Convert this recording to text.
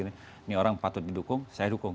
ini orang patut didukung saya dukung